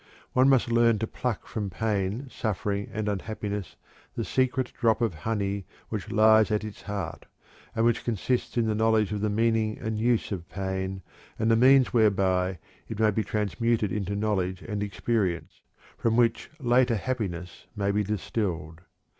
One must learn to pluck from pain, suffering, and unhappiness the secret drop of honey which lies at its heart, and which consists in the knowledge of the meaning and use of pain and the means whereby it may be transmuted into knowledge and experience, from which later happiness may be distilled.